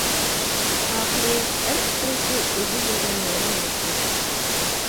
ئاخىر ھەر ئىككىلىسى ئۆزى بىلگەن يولغا مېڭىپتۇ.